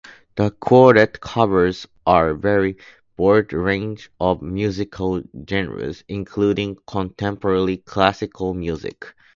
The quartet covers a very broad range of musical genres, including contemporary classical music.